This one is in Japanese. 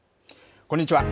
こんにちは。